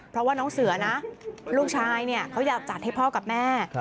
เพราะว่าน้องเสือนะลูกชายเขาอยากจัดให้พ่อกับแม่